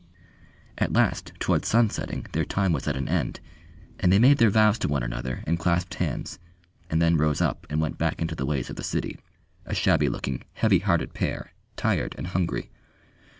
At last towards sunsetting their time was at an end, and they made their vows to one another and clasped hands, and then rose up and went back into the ways of the city, a shabby looking, heavy hearted pair, tired and hungry.